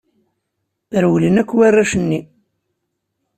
Rewlen akk warrac-nni.